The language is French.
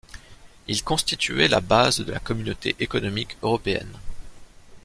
Il constituait la base de la Communauté économique européenne.